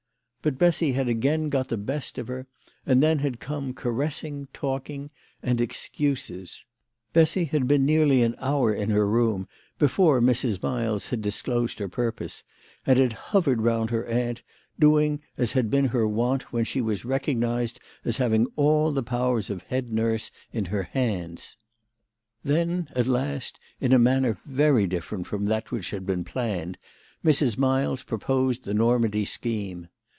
But Bessy had again got the best of her, and then had come caressing, talking, and excuses. Bessy had been nearly an hour in her room before Mrs. Miles had dis closed her purpose, and had hovered round her aunt, doing as had been her wont when she was recognised as having all the powers of head nurse in her hands. 150 THE LADY OF LATJNAY. Then at last, in a manner very different from that which had heen planned, Mrs. Miles proposed the Nor mandy scheme.